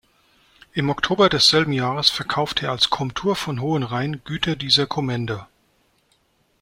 Im Oktober desselben Jahres verkaufte er als Komtur von Hohenrain Güter dieser Kommende.